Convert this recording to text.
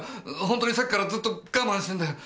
ホントにさっきからずっと我慢してんだよ。